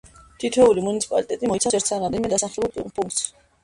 თითოეული მუნიციპალიტეტი მოიცავს ერთს ან რამდენიმე დასახლებულ პუნქტს.